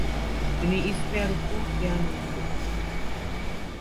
তিনি ইস পেয়ার কো কিয়া নাম দো?